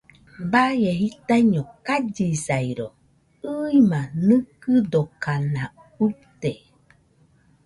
Baie jitaiño kallisairo, ɨima nɨkɨdokanauite